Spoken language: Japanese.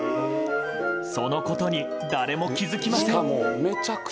そのことに誰も気づきません。